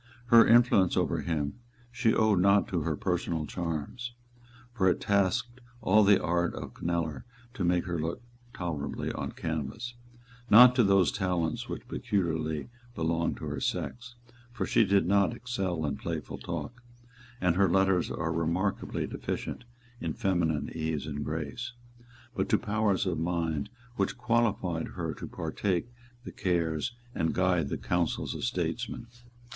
Her influence over him she owed not to her personal charms, for it tasked all the art of Kneller to make her look tolerably on canvass, not to those talents which peculiarly belong to her sex, for she did not excel in playful talk, and her letters are remarkably deficient in feminine ease and grace , but to powers of mind which qualified her to partake the cares and guide the counsels of statesmen.